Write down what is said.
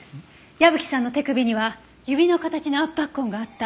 矢吹さんの手首には指の形の圧迫痕があった。